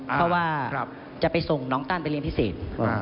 เพราะว่าจะไปส่งน้องตั้นไปเรียนพิเศษ